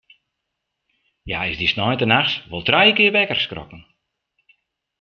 Hja is dy sneintenachts wol trije kear wekker skrokken.